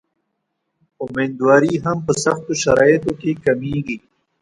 امیندواري هم په سختو شرایطو کې کمېږي.